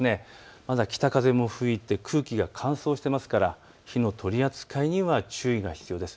まだ北風も吹いて空気が乾燥していますから火の取り扱いには注意が必要です。